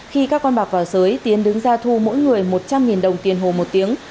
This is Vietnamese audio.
khi các con bạc vào giới tiến đứng ra thu mỗi người một trăm linh đồng tiền hồ một tiếng